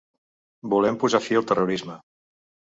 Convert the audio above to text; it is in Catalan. Volem posar fi al terrorisme.